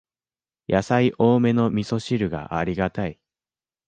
やさい多めのみそ汁がありがたい